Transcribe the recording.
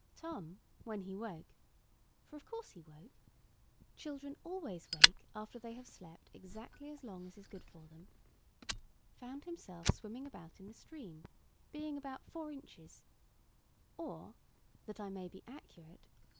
Tom, when he woke, for of course he woke—children always wake after they have slept exactly as long as is good for them—found himself swimming about in the stream, being about four inches, or—that I may be accurate—3.